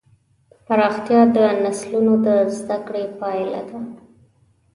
پراختیا د نسلونو د زدهکړې پایله ده.